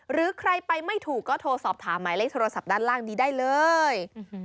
หรือใครไปไม่ถูกก็โทรสอบถามหมายเลขโทรศัพท์ด้านล่างนี้ได้เลย